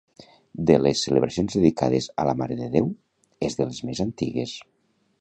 De les celebracions dedicades a la Mare de Déu, és de les més antigues.